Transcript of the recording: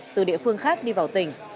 từ địa phương khác đi vào tỉnh